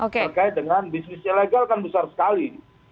terkait dengan bisnis ilegal kan besar sekali